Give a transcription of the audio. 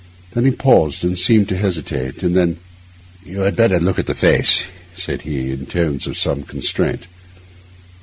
Then he paused and seemed to hesitate; and then, 'You had better look at the face,' said he, in tones of some constraint.